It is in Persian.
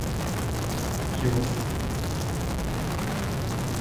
بیفت